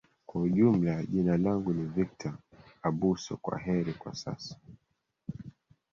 kwa ujumla jina langu ni victor abuso kwaheri kwa sasa